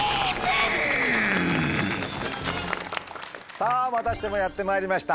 さあまたしてもやってまいりました。